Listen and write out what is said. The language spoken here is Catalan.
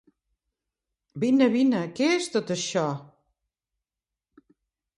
Vine, vine, què és tot això?